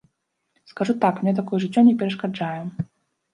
Скажу так, мне такое жыццё не перашкаджае.